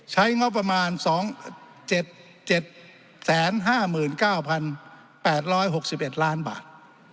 ใช้งบประมาณ๒๗๕๙๘๖๑ล้านบาท